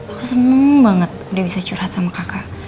aku seneng banget udah bisa curhat sama kakak